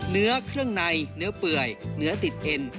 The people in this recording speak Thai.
เนื้อเครื่องในเนื้อเปื่อยเนื้อติดเอ็น